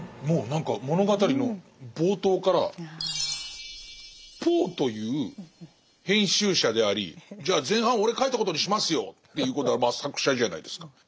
もう何か物語の冒頭からポーという編集者でありじゃあ前半俺書いたことにしますよということはまあ作者じゃないですか。